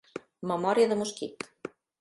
Memòria de mosquit.